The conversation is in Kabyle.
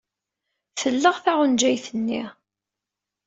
Telleɣ taɣenjayt-nni.